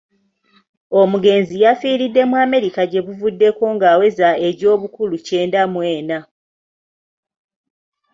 Omugenzi yafiiridde mu America gyebuvuddeko ng'aweza egy'obukulu kyenda mw'enna.